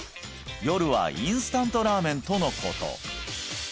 夜はインスタントラーメンとのこと